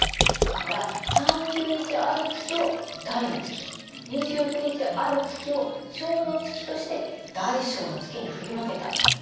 だから３０日ある月を大の月２９日ある月を小の月として大小の月に振り分けたの。